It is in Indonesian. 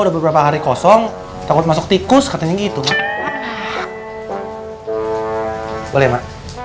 udah beberapa hari kosong takut masuk tikus katanya gitu boleh mak